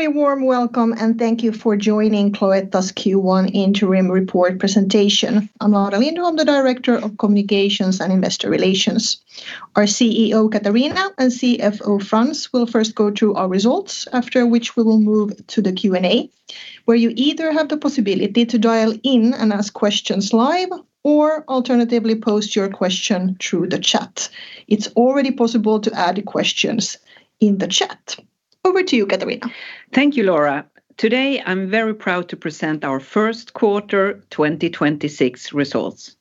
Very warm welcome. Thank you for joining Cloetta's Q1 interim report presentation. I'm Laura Lindholm, the Director of Communications & Investor Relations. Our CEO, Katarina, and CFO, Frans, will first go through our results, after which we will move to the Q&A, where you either have the possibility to dial in and ask questions live or alternatively post your question through the chat. It's already possible to add questions in the chat. Over to you, Katarina. Thank you, Laura. Today, I'm very proud to present our first quarter 2026 results.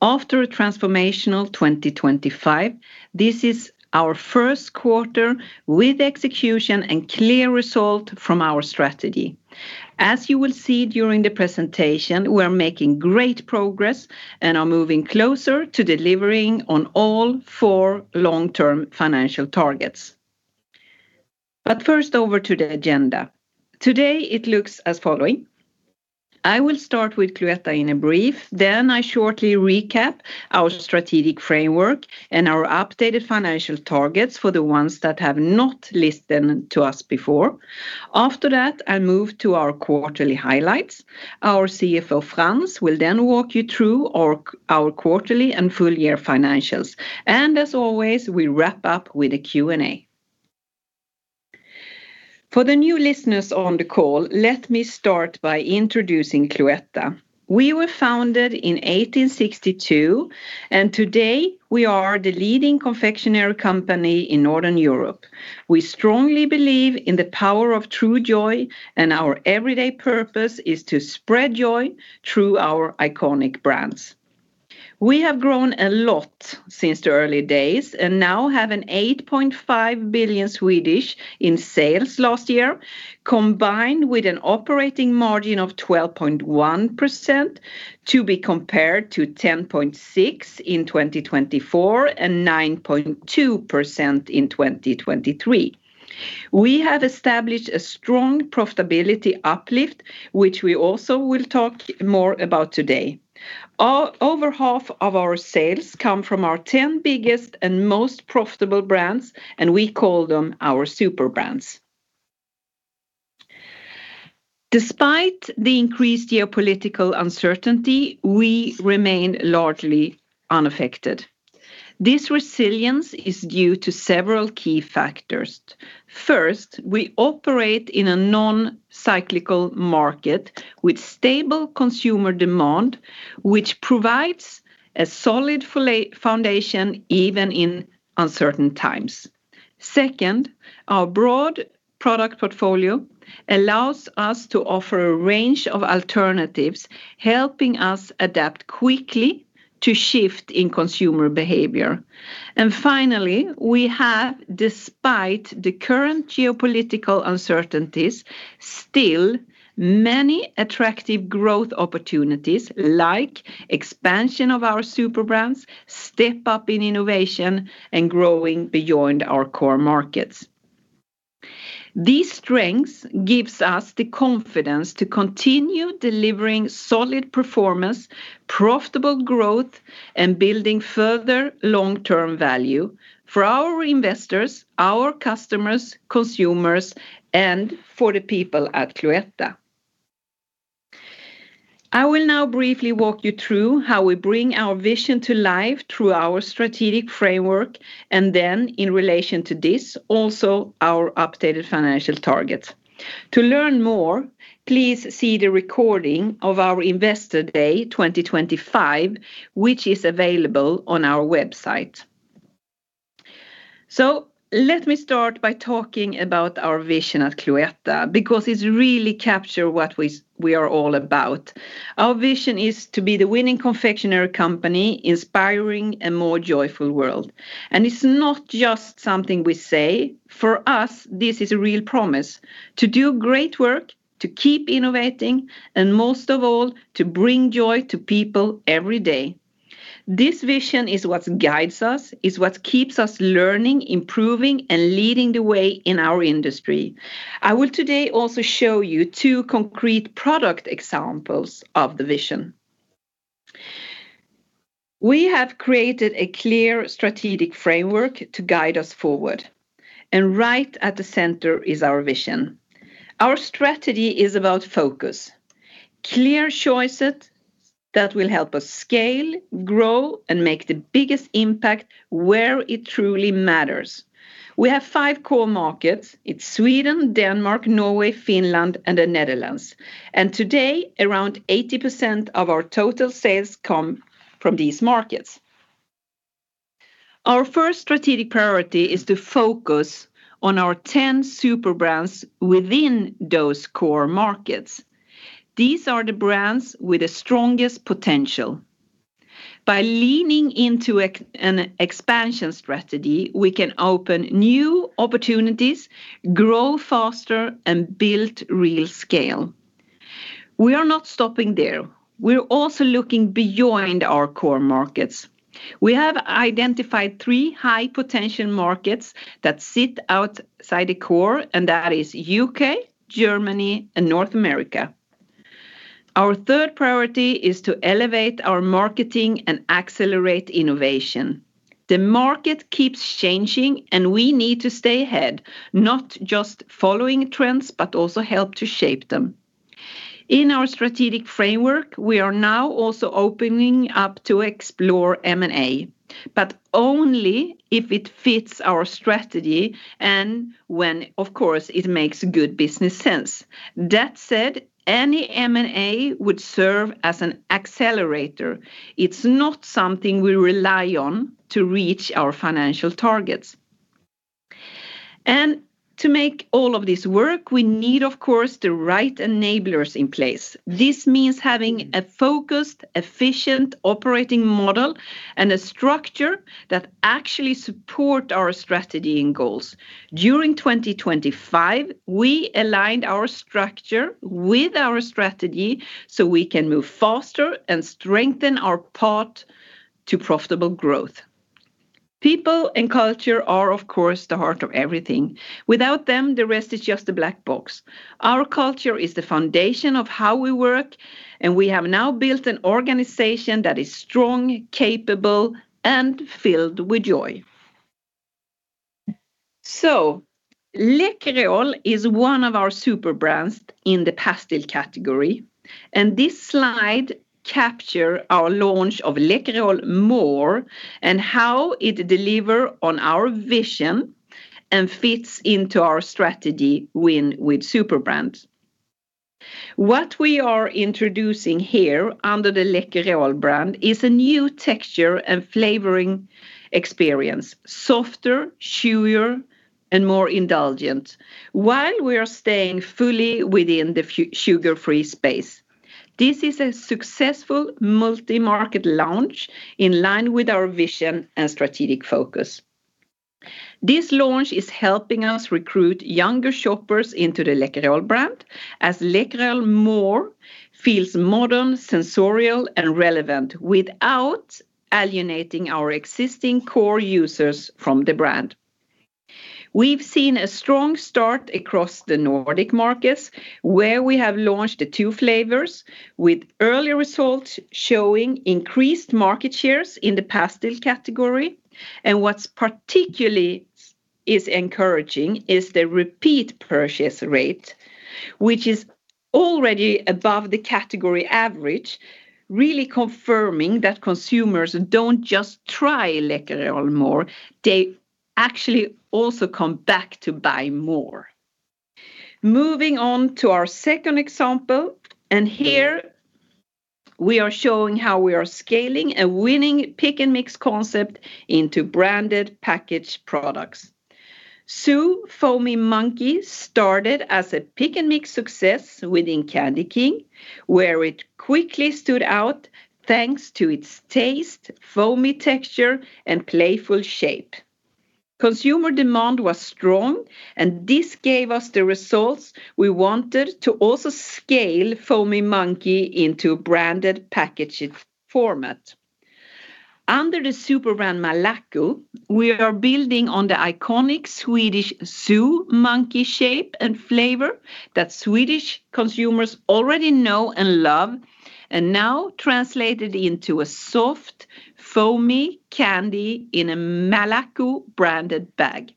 After a transformational 2025, this is our first quarter with execution and clear result from our strategy. As you will see during the presentation, we're making great progress and are moving closer to delivering on all four long-term financial targets. First, over to the agenda. Today, it looks as following. I will start with Cloetta in a brief, then I shortly recap our strategic framework and our updated financial targets for the ones that have not listened to us before. After that, I move to our quarterly highlights. Our CFO, Frans, will then walk you through our quarterly and full year financials. As always, we wrap up with a Q&A. For the new listeners on the call, let me start by introducing Cloetta. We were founded in 1862, today we are the leading confectionery company in Northern Europe. We strongly believe in the power of true joy, our everyday purpose is to spread joy through our iconic brands. We have grown a lot since the early days, now have 8.5 billion in sales last year, combined with an operating margin of 12.1%, to be compared to 10.6% in 2024 and 9.2% in 2023. We have established a strong profitability uplift, which we also will talk more about today. Over half of our sales come from our 10 biggest and most profitable brands, we call them our superbrands. Despite the increased geopolitical uncertainty, we remain largely unaffected. This resilience is due to several key factors. First, we operate in a non-cyclical market with stable consumer demand, which provides a solid foundation even in uncertain times. Our broad product portfolio allows us to offer a range of alternatives, helping us adapt quickly to shift in consumer behavior. Finally, we have, despite the current geopolitical uncertainties, still many attractive growth opportunities like expansion of our superbrands, step up in innovation, and growing beyond our core markets. These strengths gives us the confidence to continue delivering solid performance, profitable growth, and building further long-term value for our investors, our customers, consumers, and for the people at Cloetta. I will now briefly walk you through how we bring our vision to life through our strategic framework, and then in relation to this, also our updated financial targets. To learn more, please see the recording of our Investor Day 2025, which is available on our website. Let me start by talking about our vision at Cloetta because it really capture what we are all about. Our vision is to be the winning confectionery company inspiring a more joyful world. It's not just something we say. For us, this is a real promise to do great work, to keep innovating, and most of all, to bring joy to people every day. This vision is what guides us, is what keeps us learning, improving, and leading the way in our industry. I will today also show you two concrete product examples of the vision. We have created a clear strategic framework to guide us forward, and right at the center is our vision. Our strategy is about focus, clear choices that will help us scale, grow, and make the biggest impact where it truly matters. We have five core markets. It's Sweden, Denmark, Norway, Finland, and the Netherlands. Today, around 80% of our total sales come from these markets. Our first strategic priority is to focus on our 10 superbrands within those core markets. These are the brands with the strongest potential. By leaning into an expansion strategy, we can open new opportunities, grow faster, and build real scale. We are not stopping there. We're also looking beyond our core markets. We have identified three high-potential markets that sit outside the core, and that is U.K., Germany, and North America. Our third priority is to elevate our marketing and accelerate innovation. The market keeps changing, and we need to stay ahead, not just following trends, but also help to shape them. In our strategic framework, we are now also opening up to explore M&A, but only if it fits our strategy and when, of course, it makes good business sense. That said, any M&A would serve as an accelerator. It's not something we rely on to reach our financial targets. To make all of this work, we need, of course, the right enablers in place. This means having a focused, efficient operating model and a structure that actually support our strategy and goals. During 2025, we aligned our structure with our strategy so we can move faster and strengthen our path to profitable growth. People and culture are, of course, the heart of everything. Without them, the rest is just a black box. Our culture is the foundation of how we work, and we have now built an organization that is strong, capable, and filled with joy. Läkerol is one of our superbrands in the pastille category, and this slide capture our launch of Läkerol MORE and how it deliver on our vision and fits into our strategy win with superbrands. What we are introducing here under the Läkerol brand is a new texture and flavoring experience, softer, chewier, and more indulgent while we are staying fully within the sugar-free space. This is a successful multi-market launch in line with our vision and strategic focus. This launch is helping us recruit younger shoppers into the Läkerol brand as Läkerol MORE feels modern, sensorial, and relevant without alienating our existing core users from the brand. We've seen a strong start across the Nordic markets, where we have launched the two flavors with early results showing increased market shares in the pastille category. What's particularly encouraging is the repeat purchase rate, which is already above the category average, really confirming that consumers don't just try Läkerol MORE, they actually also come back to buy more. Moving on to our second example, and here we are showing how we are scaling a winning Pick & Mix concept into Branded Packaged products. Zoo Foamy Monkey started as a Pick & Mix success within CandyKing, where it quickly stood out thanks to its taste, foamy texture, and playful shape. Consumer demand was strong, and this gave us the results we wanted to also scale Foamy Monkey into a Branded Packaged format. Under the superbrand Malaco, we are building on the iconic Swedish zoo monkey shape and flavor that Swedish consumers already know and love and now translated into a soft, foamy candy in a Malaco-branded bag.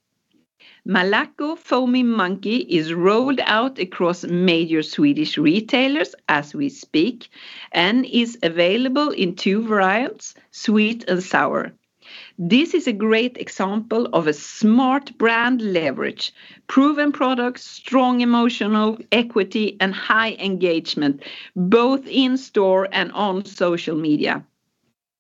Malaco Foamy Monkey is rolled out across major Swedish retailers as we speak and is available in two variants, sweet and sour. This is a great example of a smart brand leverage, proven products, strong emotional equity, and high engagement both in store and on social media.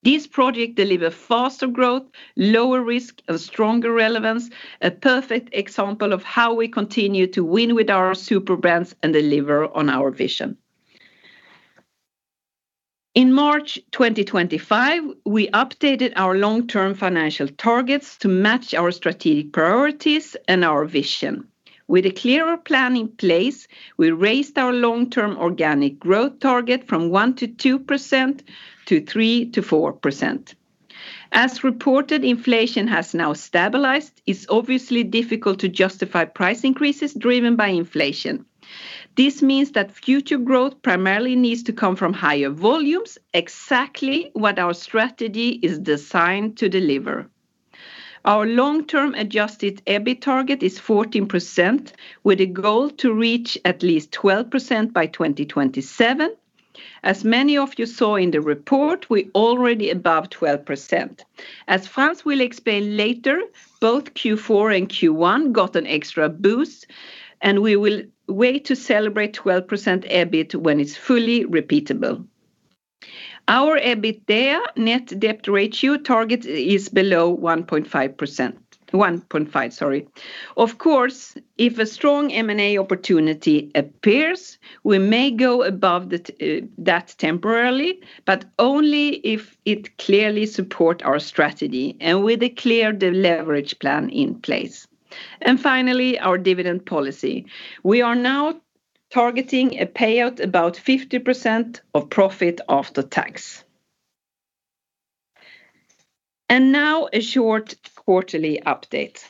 This project deliver faster growth, lower risk, and stronger relevance, a perfect example of how we continue to win with our superbrands and deliver on our vision. In March 2025, we updated our long-term financial targets to match our strategic priorities and our vision. With a clearer plan in place, we raised our long-term organic growth target from 1%-2% to 3%-4%. As reported, inflation has now stabilized. It's obviously difficult to justify price increases driven by inflation. This means that future growth primarily needs to come from higher volumes, exactly what our strategy is designed to deliver. Our long-term adjusted EBIT target is 14%, with a goal to reach at least 12% by 2027. As many of you saw in the report, we're already above 12%. As Frans will explain later, both Q4 and Q1 got an extra boost, we will wait to celebrate 12% EBIT when it's fully repeatable. Our EBITDA net debt ratio target is below 1.5%. Of course, if a strong M&A opportunity appears, we may go above that temporarily, but only if it clearly support our strategy and with a clear de-leverage plan in place. Finally, our dividend policy. We are now targeting a payout about 50% of profit after tax. Now a short quarterly update.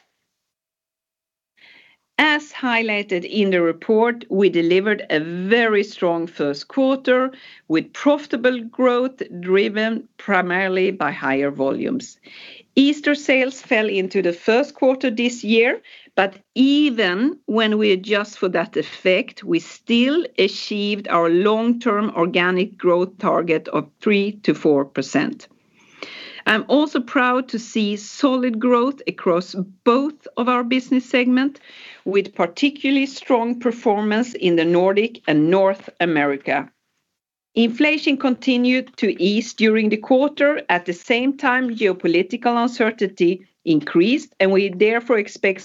As highlighted in the report, we delivered a very strong first quarter with profitable growth driven primarily by higher volumes. Easter sales fell into the first quarter this year, even when we adjust for that effect, we still achieved our long-term organic growth target of 3%-4%. I'm also proud to see solid growth across both of our business segment with particularly strong performance in the Nordic and North America. Inflation continued to ease during the quarter. At the same time, geopolitical uncertainty increased, we therefore expect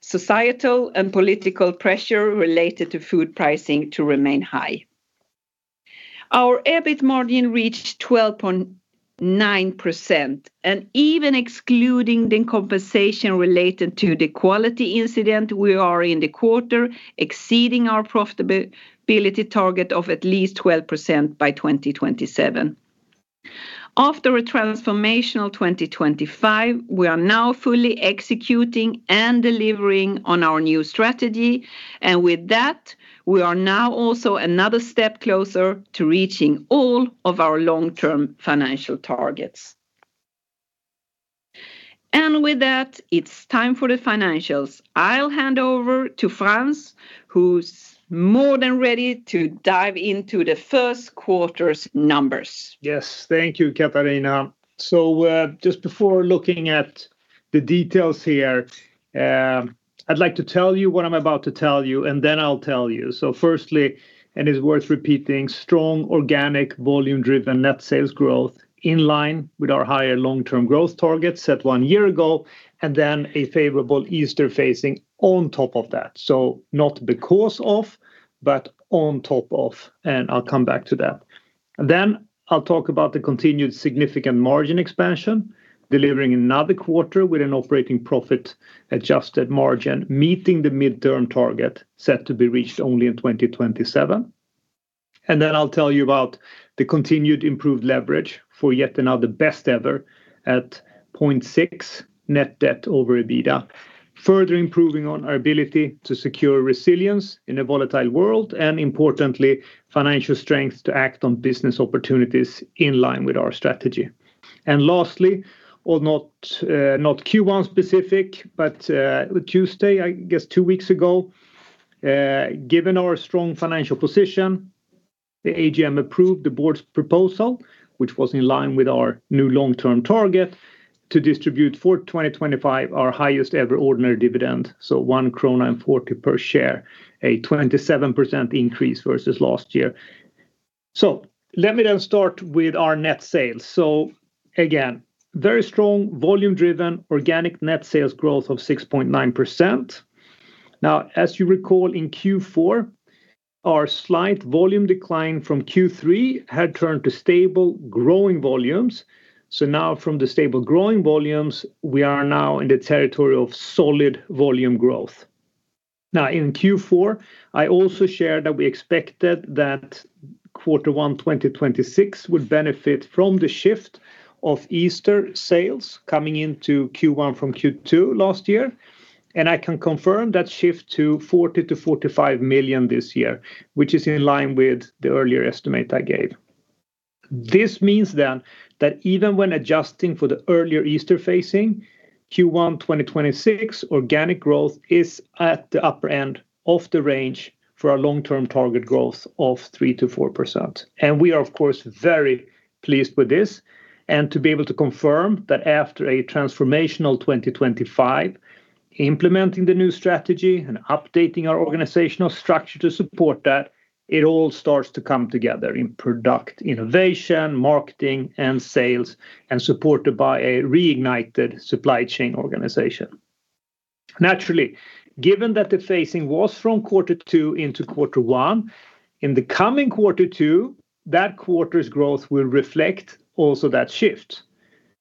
societal and political pressure related to food pricing to remain high. Our EBIT margin reached 12.9%, even excluding the compensation related to the quality incident, we are in the quarter exceeding our profitability target of at least 12% by 2027. After a transformational 2025, we are now fully executing and delivering on our new strategy, with that, we are now also another step closer to reaching all of our long-term financial targets. With that, it's time for the financials. I'll hand over to Frans, who's more than ready to dive into the first quarter's numbers. Thank you, Katarina. Just before looking at the details here, I'd like to tell you what I'm about to tell you, and then I'll tell you. Firstly, and it's worth repeating, strong organic volume driven net sales growth in line with our higher long-term growth targets set one year ago, and then a favorable Easter phasing on top of that. Not because of, but on top of, and I'll come back to that. I'll talk about the continued significant margin expansion, delivering another quarter with an operating profit adjusted margin, meeting the midterm target set to be reached only in 2027. I'll tell you about the continued improved leverage for yet another best ever at 0.6x net debt over EBITDA, further improving on our ability to secure resilience in a volatile world, and importantly, financial strength to act on business opportunities in line with our strategy. Given our strong financial position, the AGM approved the board's proposal, which was in line with our new long-term target to distribute for 2025 our highest ever ordinary dividend, 1.40 krona per share, a 27% increase versus last year. Let me start with our net sales. Again, very strong volume driven organic net sales growth of 6.9%. As you recall, in Q4, our slight volume decline from Q3 had turned to stable growing volumes. Now from the stable growing volumes, we are now in the territory of solid volume growth. In Q4, I also shared that we expected that quarter one 2026 would benefit from the shift of Easter sales coming into Q1 from Q2 last year. I can confirm that shift to 40 million-45 million this year, which is in line with the earlier estimate I gave. This means that even when adjusting for the earlier Easter phasing, Q1 2026 organic growth is at the upper end of the range for our long-term target growth of 3%-4%. We are, of course, very pleased with this and to be able to confirm that after a transformational 2025, implementing the new strategy and updating our organizational structure to support that, it all starts to come together in product innovation, marketing, and sales, and supported by a reignited supply chain organization. Naturally, given that the phasing was from quarter two into quarter one, in the coming quarter two, that quarter's growth will reflect also that shift.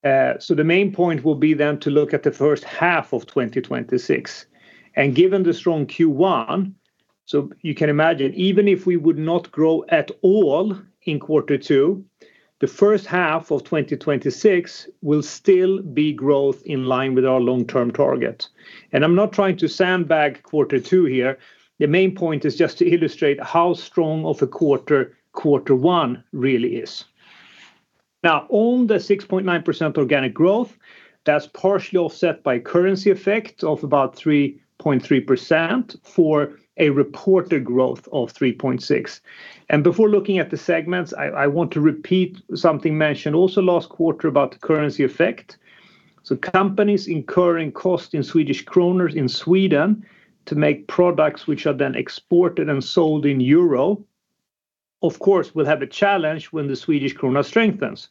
The main point will be then to look at the first half of 2026. Given the strong Q1, you can imagine, even if we would not grow at all in quarter two, the first half of 2026 will still be growth in line with our long-term target. I am not trying to sandbag quarter two here. The main point is just to illustrate how strong of a quarter one really is. On the 6.9% organic growth, that's partially offset by currency effect of about 3.3% for a reported growth of 3.6%. Before looking at the segments, I want to repeat something mentioned also last quarter about the currency effect. Companies incurring cost in Swedish krona in Sweden to make products which are then exported and sold in euro, of course, will have a challenge when the Swedish krona strengthens.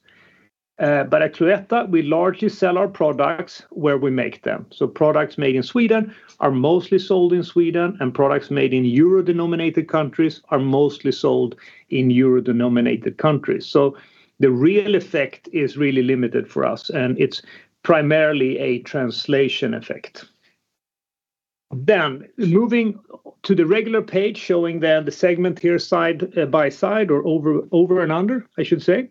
At Cloetta, we largely sell our products where we make them. Products made in Sweden are mostly sold in Sweden, and products made in euro-denominated countries are mostly sold in euro-denominated countries. The real effect is really limited for us, and it's primarily a translation effect. Moving to the regular page showing that the segment here side by side or over and under, I should say.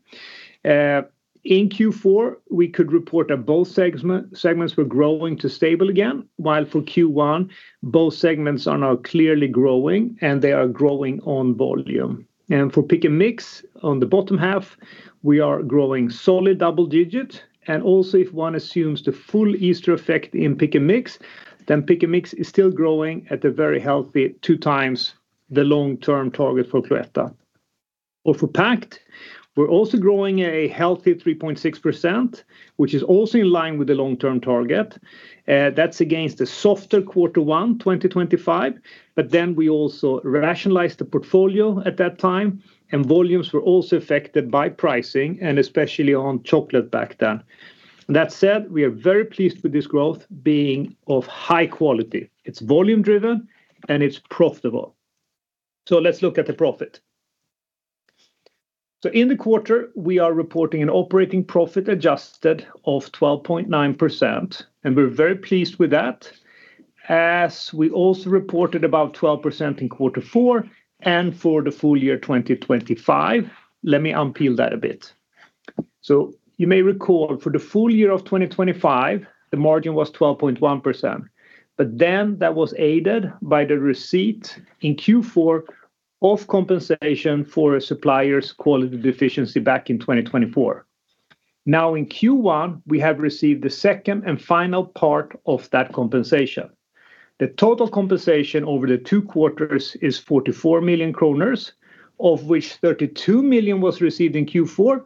In Q4, we could report that both segments were growing to stable again. While for Q1, both segments are now clearly growing, and they are growing on volume. For Pick & Mix on the bottom half, we are growing solid double-digit. If one assumes the full Easter effect in Pick & Mix, then Pick & Mix is still growing at a very healthy two times the long-term target for Cloetta. For Packed, we're also growing a healthy 3.6%, which is also in line with the long-term target. That's against a softer Q1 2025. We also rationalized the portfolio at that time, and volumes were also affected by pricing and especially on chocolate back then. We are very pleased with this growth being of high quality. It's volume driven, and it's profitable. Let's look at the profit. In the quarter, we are reporting an operating profit adjusted of 12.9%, and we're very pleased with that. As we also reported about 12% in quarter four and for the full year 2025. Let me unpeel that a bit. You may recall, for the full year of 2025, the margin was 12.1%. That was aided by the receipt in Q4 of compensation for a supplier's quality deficiency back in 2024. In Q1, we have received the second and final part of that compensation. The total compensation over the two quarters is 44 million kronor, of which 32 million was received in Q4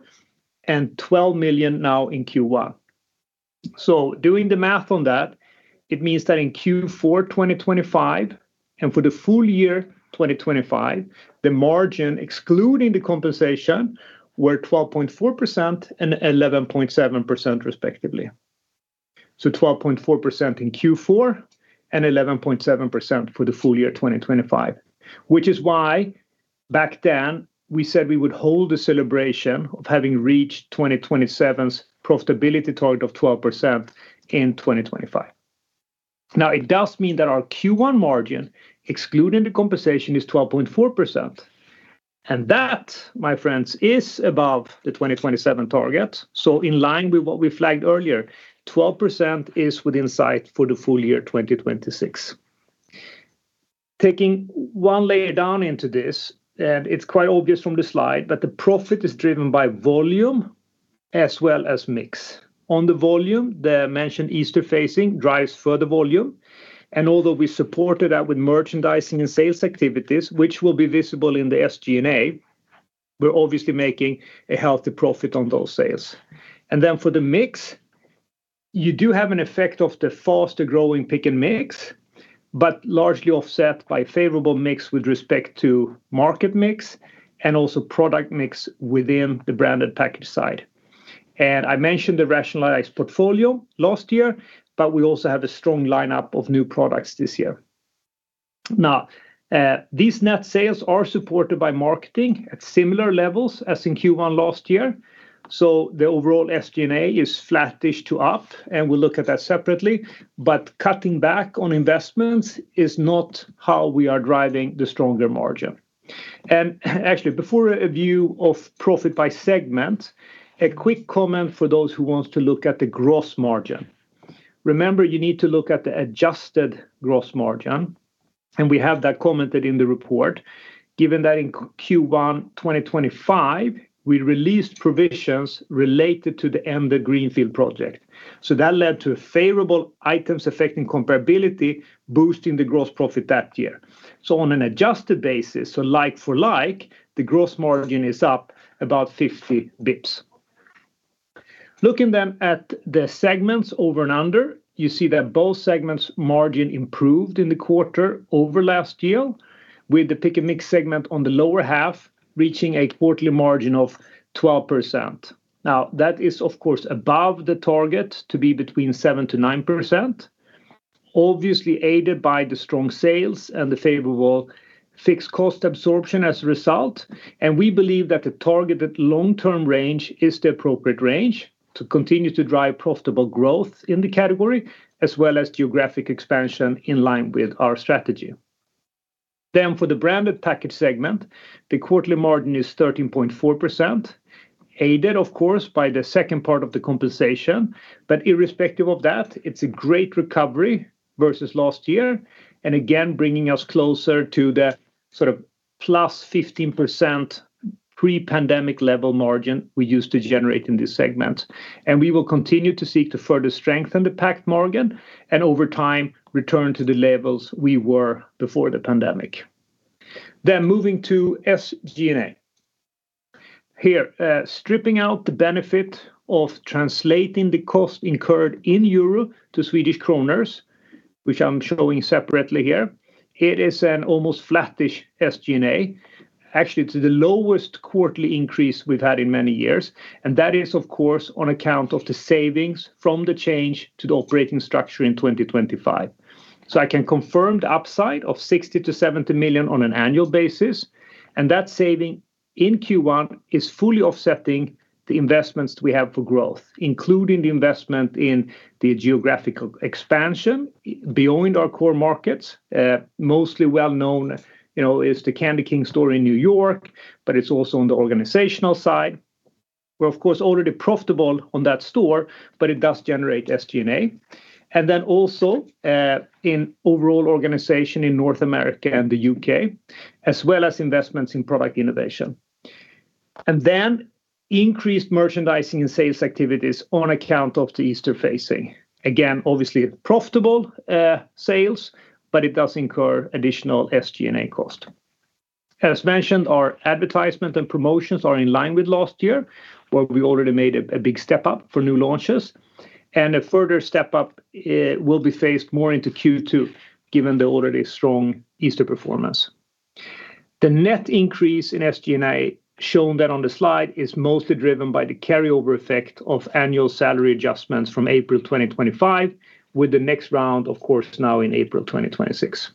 and 12 million now in Q1. Doing the math on that, it means that in Q4 2025 and for the full year 2025, the margin excluding the compensation were 12.4% and 11.7%, respectively. 12.4% in Q4 and 11.7% for the full year 2025. Which is why back then we said we would hold a celebration of having reached 2027's profitability target of 12% in 2025. Now, it does mean that our Q1 margin, excluding the compensation, is 12.4%. That, my friends, is above the 2027 target. In line with what we flagged earlier, 12% is within sight for the full year 2026. Taking one layer down into this, it's quite obvious from the slide, that the profit is driven by volume as well as mix. On the volume, the mentioned Easter phasing drives further volume, although we supported that with merchandising and sales activities, which will be visible in the SG&A, we're obviously making a healthy profit on those sales. Then for the mix, you do have an effect of the faster-growing Pick & Mix, largely offset by favorable mix with respect to market mix and also product mix within the branded package side. I mentioned the rationalized portfolio last year, we also have a strong lineup of new products this year. These net sales are supported by marketing at similar levels as in Q1 last year. The overall SG&A is flattish to up, we'll look at that separately. Cutting back on investments is not how we are driving the stronger margin. Actually, before a view of profit by segment, a quick comment for those who wants to look at the gross margin. Remember, you need to look at the adjusted gross margin, and we have that commented in the report. Given that in Q1 2025, we released provisions related to the Ede Greenfield project. That led to favorable items affecting comparability, boosting the gross profit that year. On an adjusted basis, so like for like, the gross margin is up about 50 basis points. Looking at the segments over and under, you see that both segments margin improved in the quarter over last year, with the Pick & Mix segment on the lower half, reaching a quarterly margin of 12%. That is, of course, above the target to be between 7%-9%. Obviously, aided by the strong sales and the favorable fixed cost absorption as a result. We believe that the targeted long-term range is the appropriate range to continue to drive profitable growth in the category, as well as geographic expansion in line with our strategy. For the branded package segment, the quarterly margin is 13.4%, aided, of course, by the second part of the compensation. Irrespective of that, it's a great recovery versus last year. Again, bringing us closer to the sort of +15% pre-pandemic level margin we used to generate in this segment. We will continue to seek to further strengthen the Packed margin and over time, return to the levels we were before the pandemic. Moving to SG&A. Here, stripping out the benefit of translating the cost incurred in euro to Swedish kronors, which I'm showing separately here. It is an almost flattish SG&A. Actually, it's the lowest quarterly increase we've had in many years, and that is, of course, on account of the savings from the change to the operating structure in 2025. I can confirm the upside of 60 million-70 million on an annual basis, and that saving in Q1 is fully offsetting the investments we have for growth, including the investment in the geographical expansion beyond our core markets. Mostly well known, you know, is the CandyKing store in New York, but it's also on the organizational side. We're of course, already profitable on that store, but it does generate SG&A. Also, in overall organization in North America and the U.K., as well as investments in product innovation. Increased merchandising and sales activities on account of the Easter phasing. Again, obviously profitable sales, but it does incur additional SG&A cost. As mentioned, our advertisement and promotions are in line with last year, where we already made a big step up for new launches, and a further step up will be faced more into Q2 given the already strong Easter performance. The net increase in SG&A shown then on the slide is mostly driven by the carryover effect of annual salary adjustments from April 2025, with the next round, of course, now in April 2026.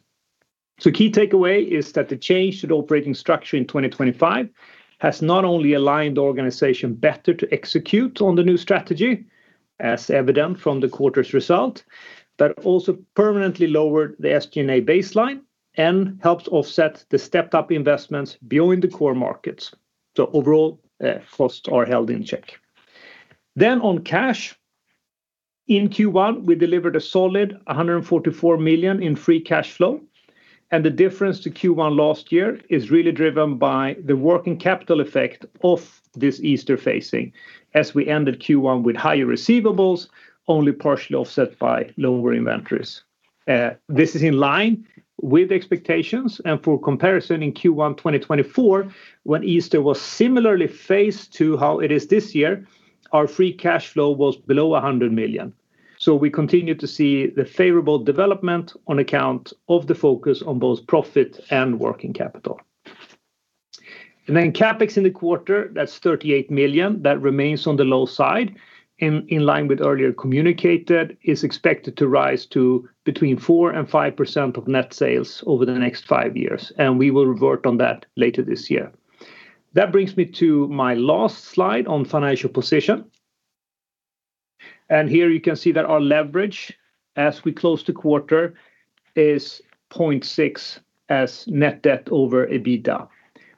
Key takeaway is that the change to the operating structure in 2025 has not only aligned the organization better to execute on the new strategy, as evident from the quarter's result, but also permanently lowered the SG&A baseline and helped offset the stepped up investments beyond the core markets. Overall, costs are held in check. On cash, in Q1, we delivered a solid 144 million in free cash flow, and the difference to Q1 last year is really driven by the working capital effect of this Easter phasing, as we ended Q1 with higher receivables, only partially offset by lower inventories. This is in line with expectations and for comparison in Q1 2024, when Easter was similarly phased to how it is this year, our free cash flow was below 100 million. We continue to see the favorable development on account of the focus on both profit and working capital. CapEx in the quarter, that's 38 million, that remains on the low side in line with earlier communicated, is expected to rise to between 4% and 5% of net sales over the next five years, and we will revert on that later this year. That brings me to my last slide on financial position. Here you can see that our leverage as we close the quarter is 0.6x as net debt over EBITDA.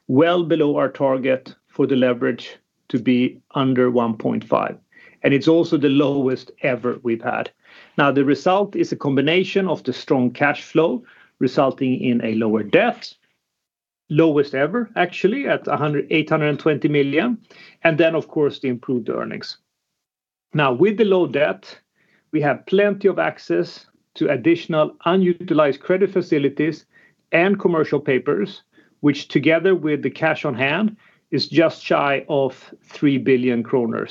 Well below our target for the leverage to be under 1.5x. It's also the lowest ever we've had. The result is a combination of the strong cash flow resulting in a lower debt, lowest ever actually at 820 million, and then of course, the improved earnings. With the low debt, we have plenty of access to additional unutilized credit facilities and commercial papers, which together with the cash on hand, is just shy of 3 billion kronor.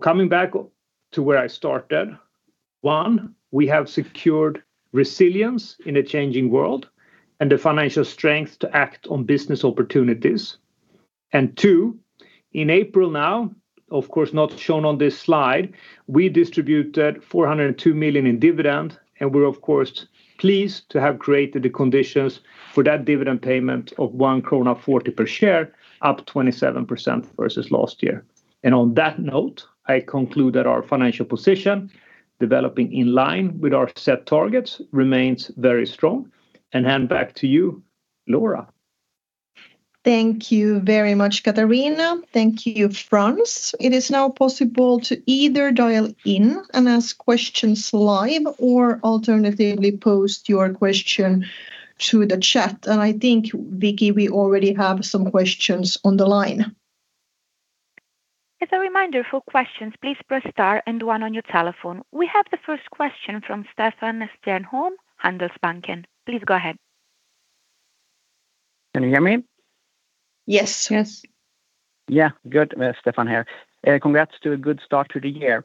Coming back to where I started, one, we have secured resilience in a changing world and the financial strength to act on business opportunities. Two, in April now, of course, not shown on this slide, we distributed 402 million in dividend, and we're of course, pleased to have created the conditions for that dividend payment of 1.40 krona per share, up 27% versus last year. On that note, I conclude that our financial position developing in line with our set targets remains very strong. Hand back to you, Laura. Thank you very much, Katarina. Thank you, Frans. It is now possible to either dial in and ask questions live or alternatively post your question through the chat. I think Vicky, we already have some questions on the line. As a reminder for questions, please press star and one on your telephone. We have the first question from Stefan Stjernholm, Handelsbanken. Please go ahead. Can you hear me? Yes. Yes. Good. Stefan here. Congrats to a good start to the year.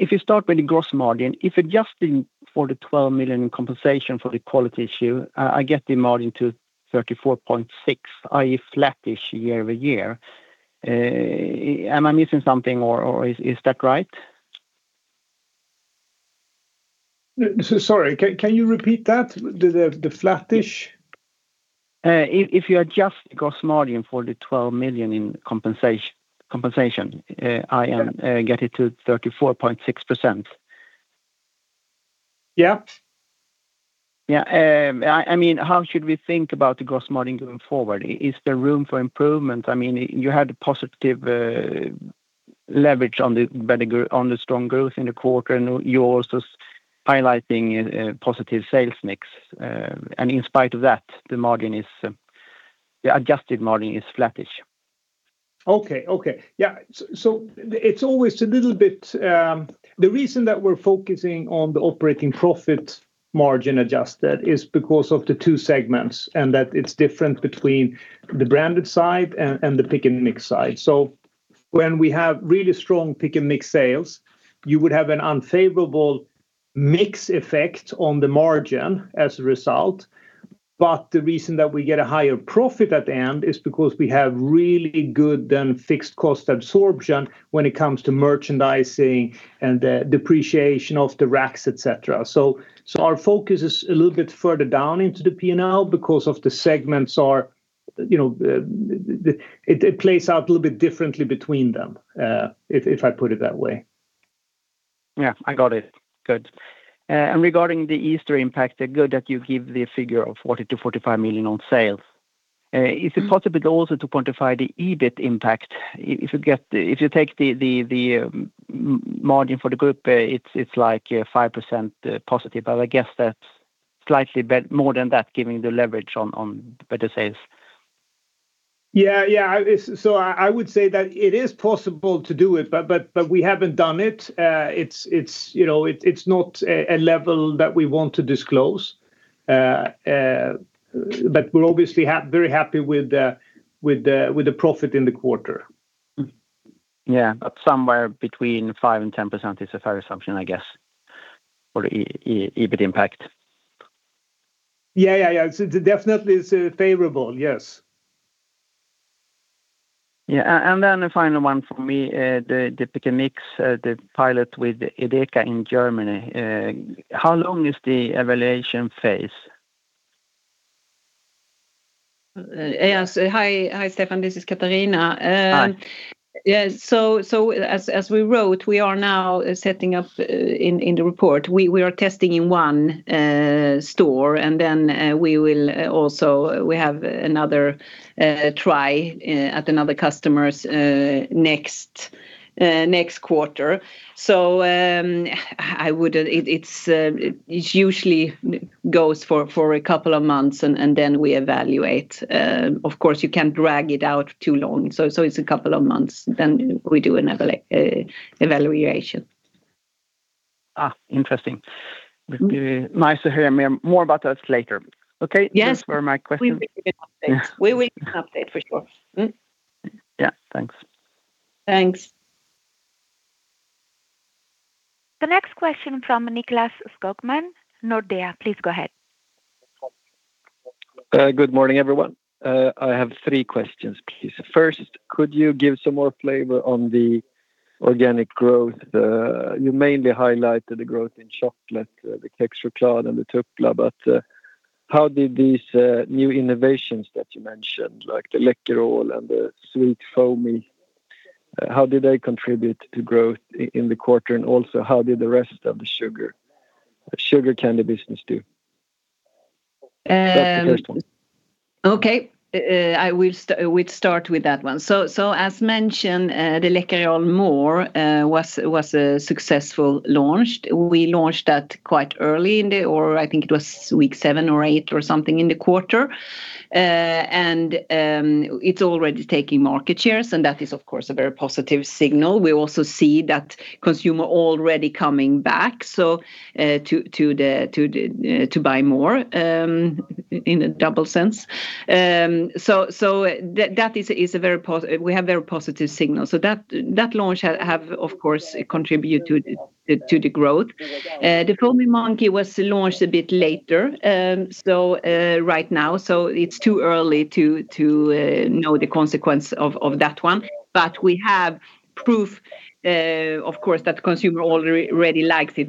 If you start with the gross margin, if adjusting for the 12 million compensation for the quality issue, I get the margin to 34.6%, i.e., flattish year-over-year. Am I missing something or is that right? Sorry. Can you repeat that? The flattish? If you adjust gross margin for the 12 million in compensation, I am get it to 34.6%. Yeah. Yeah. I mean, how should we think about the gross margin going forward? Is there room for improvement? I mean, you had a positive leverage on the strong growth in the quarter and you're also highlighting a positive sales mix. In spite of that, the adjusted margin is flattish. Okay, okay. Yeah. So it's always a little bit, the reason that we're focusing on the operating profit margin adjusted is because of the two segments, and that it's different between the Branded side and the Pick & Mix side. When we have really strong Pick & Mix sales, you would have an unfavorable mix effect on the margin as a result. The reason that we get a higher profit at the end is because we have really good then fixed cost absorption when it comes to merchandising and the depreciation of the racks, et cetera. So our focus is a little bit further down into the P&L because of the segments are, you know, it plays out a little bit differently between them, if I put it that way. Yeah, I got it. Good. Regarding the Easter impact, the good that you give the figure of 40 million-45 million on sales. Is it possible also to quantify the EBIT impact? If you take the margin for the group, it's like a 5%+. I guess that's slightly more than that giving the leverage on the better sales. Yeah, yeah. I would say that it is possible to do it but we haven't done it. It's, you know, it's not a level that we want to disclose. We're obviously very happy with the profit in the quarter. Yeah, somewhere between 5% and 10% is a fair assumption, I guess, for the EBIT impact. Yeah, yeah. Definitely it's favorable, yes. Yeah. A final one for me. The Pick & Mix, the pilot with EDEKA in Germany. How long is the evaluation phase? Yes. Hi, hi, Stefan. This is Katarina. Hi As we wrote, we are now setting up in the report. We are testing in one store, and then we have another try at another customer's next quarter. It usually goes for a couple of months and then we evaluate. Of course, you can't drag it out too long. It's a couple of months, then we do an evaluation. Interesting. It'd be nice to hear more about that later. Okay. Yes. These were my questions. We will give you an update. Yeah. We will give an update for sure. Yeah. Thanks. Thanks. The next question from Nicklas Skogman, Nordea. Please go ahead. Good morning, everyone. I have three questions, please. First, could you give some more flavor on the organic growth? You mainly highlighted the growth in chocolate, the Kexchoklad and the Tupla. How did these new innovations that you mentioned, like the Läkerol and the Foamy Monkey, how did they contribute to growth in the quarter? Also, how did the rest of the sugar candy business do? Um- That's the first one. Okay. We'd start with that one. As mentioned, the Läkerol MORE was a successful launch. We launched that quite early, I think it was week seven or eight or something in the quarter. It's already taking market shares, and that is of course a very positive signal. We also see that consumer already coming back to the to buy more in a double sense. We have very positive signals. That launch have of course contributed to the growth. The Foamy Monkey was launched a bit later right now. It's too early to know the consequence of that one. We have proof, of course, that consumer already likes it.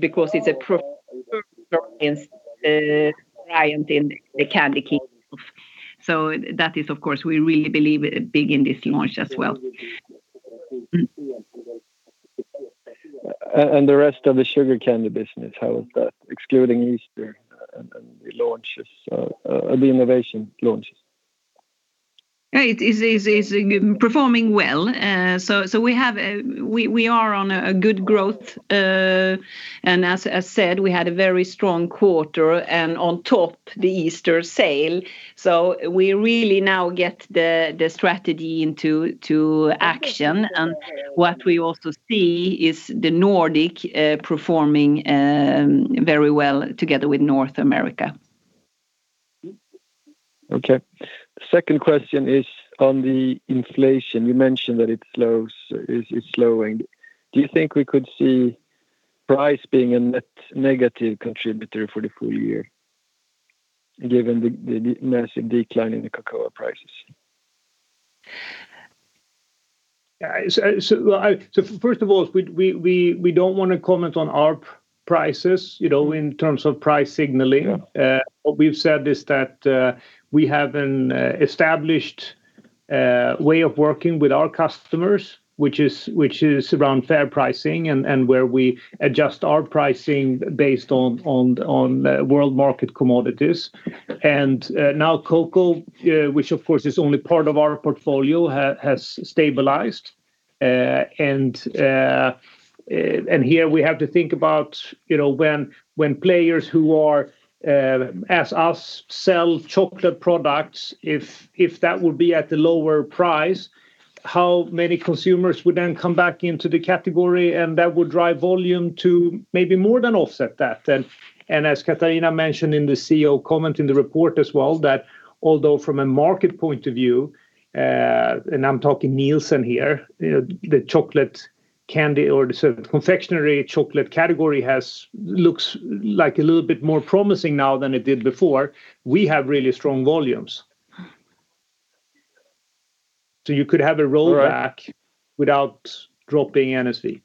You could have a rollback. All right. Without dropping NSV.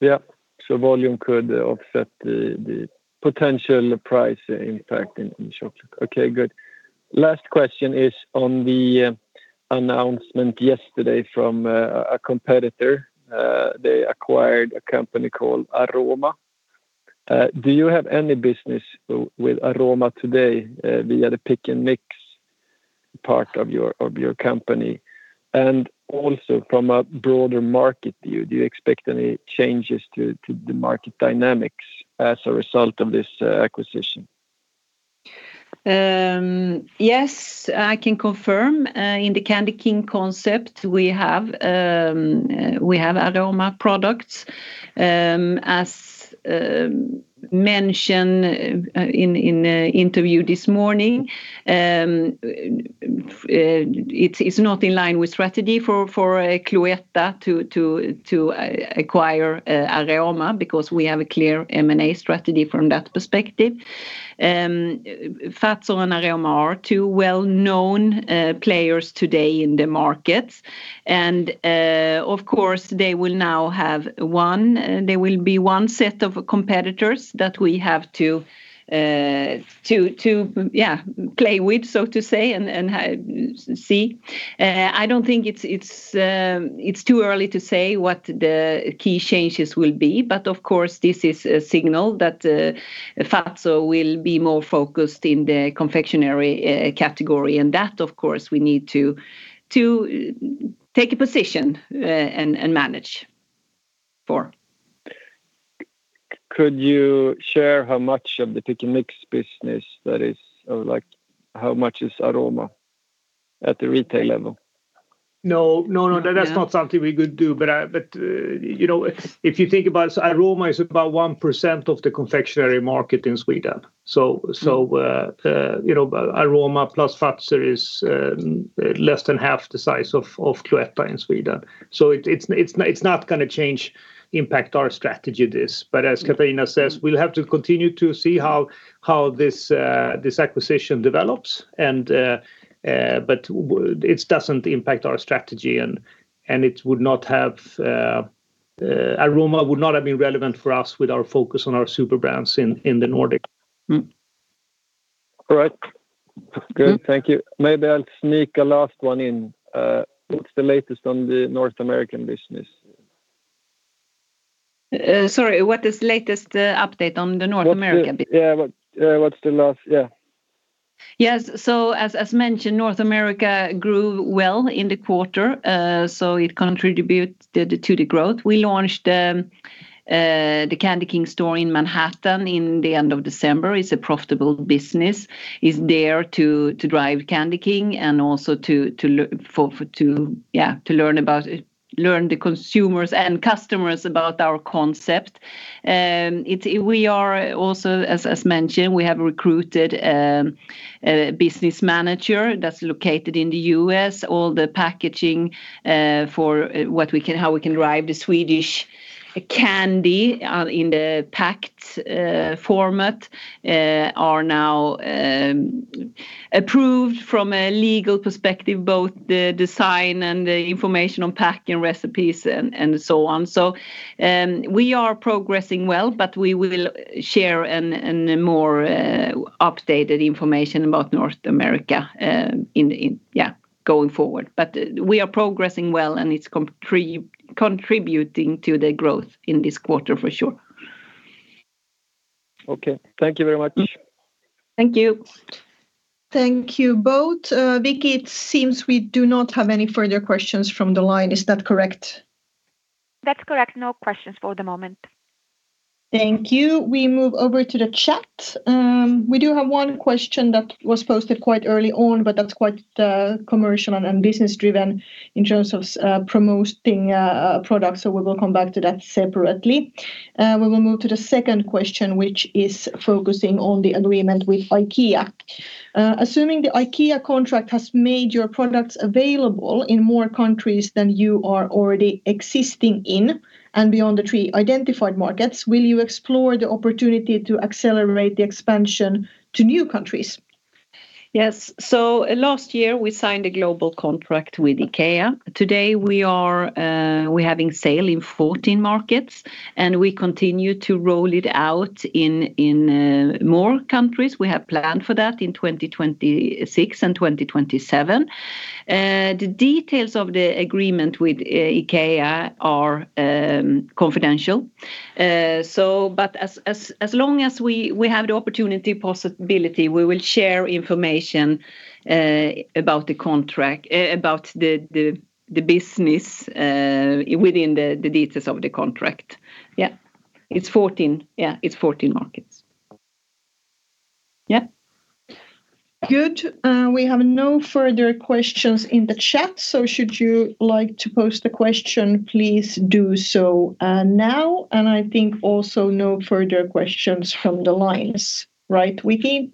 Yeah. Volume could offset the potential price impact in short. Okay, good. Last question is on the announcement yesterday from a competitor. They acquired a company called Aroma. Do you have any business with Aroma today via the Pick & Mix part of your company? Also from a broader market view, do you expect any changes to the market dynamics as a result of this acquisition? Yes, I can confirm, in the CandyKing concept we have, we have Aroma products. As mentioned, in an interview this morning, it's not in line with strategy for Cloetta to acquire Aroma because we have a clear M&A strategy from that perspective. Fazer and Aroma are two well-known players today in the markets. Of course, they will now be one set of competitors that we have to, yeah, play with, so to say, and see. I don't think it's too early to say what the key changes will be, but of course, this is a signal that Fazer will be more focused in the confectionery category and that, of course, we need to take a position, and manage for. Could you share how much of the Pick & Mix business that is, or, like, how much is Aroma at the retail level? No. No, no. Yeah That's not something we could do. you know, if you think about it, Aroma is about 1% of the confectionery market in Sweden. you know, Aroma plus Fazer is less than half the size of Cloetta in Sweden. It's not gonna change, impact our strategy, this. As Katarina says, we'll have to continue to see how this acquisition develops and it doesn't impact our strategy, and it would not have Aroma would not have been relevant for us with our focus on our super brands in the Nordic. All right. Good. Thank you. Maybe I'll sneak a last one in. What's the latest on the North American business? Sorry, what is latest update on the North America business? What's the last. Yes, as mentioned, North America grew well in the quarter, it contributed to the growth. We launched the CandyKing store in Manhattan in the end of December. It's a profitable business. It's there to drive CandyKing and also to learn about it, learn the consumers and customers about our concept. We are also, as mentioned, we have recruited a business manager that's located in the U.S. All the packaging for how we can drive the Swedish candy in the packed format are now approved from a legal perspective, both the design and the information on packing recipes and so on. We are progressing well, but we will share a more updated information about North America, in, yeah, going forward. We are progressing well, and it's contributing to the growth in this quarter for sure. Okay. Thank you very much. Thank you. Thank you both. Vicky, it seems we do not have any further questions from the line. Is that correct? That's correct. No questions for the moment. Thank you. We move over to the chat. We do have one question that was posted quite early on, but that's quite commercial and business driven in terms of promoting products, so we will come back to that separately. We will move to the second question, which is focusing on the agreement with IKEA. Assuming the IKEA contract has made your products available in more countries than you are already existing in and beyond the three identified markets, will you explore the opportunity to accelerate the expansion to new countries? Yes. Last year we signed a global contract with IKEA. Today we are having sale in 14 markets, and we continue to roll it out in more countries. We have planned for that in 2026 and 2027. The details of the agreement with IKEA are confidential. As long as we have the opportunity possibility, we will share information about the contract, about the business within the details of the contract. Yeah. It's 14. Yeah, it's 14 markets. Yeah. Good. We have no further questions in the chat. Should you like to pose the question, please do so now. I think also no further questions from the lines, right, Vicky?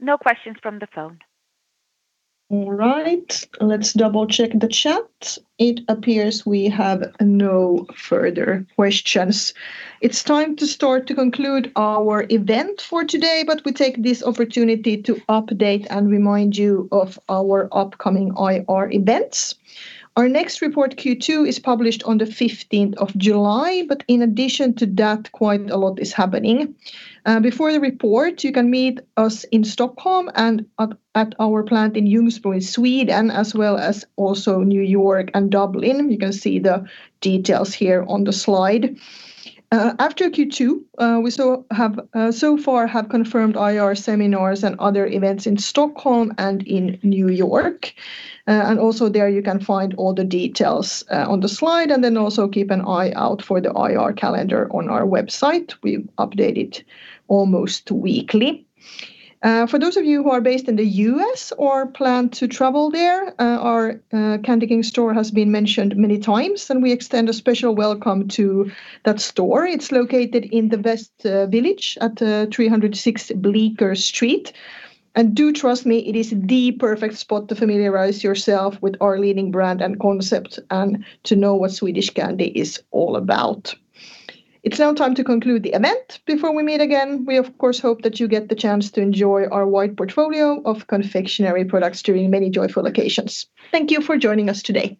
No questions from the phone. All right. Let's double-check the chat. It appears we have no further questions. It's time to start to conclude our event for today. We take this opportunity to update and remind you of our upcoming IR events. Our next report Q2 is published on the 15th of July. In addition to that, quite a lot is happening. Before the report, you can meet us in Stockholm and at our plant in Ljungsbro in Sweden, as well as also New York and Dublin. You can see the details here on the slide. After Q2, we so far have confirmed IR seminars and other events in Stockholm and in New York. Also there you can find all the details on the slide and then also keep an eye out for the IR calendar on our website. We update it almost weekly. For those of you who are based in the U.S. or plan to travel there, our CandyKing store has been mentioned many times, and we extend a special welcome to that store. It's located in the West Village at 306 Bleecker Street. Do trust me, it is the perfect spot to familiarize yourself with our leading brand and concept and to know what Swedish Candy is all about. It's now time to conclude the event. Before we meet again, we of course hope that you get the chance to enjoy our wide portfolio of confectionery products during many joyful occasions. Thank you for joining us today.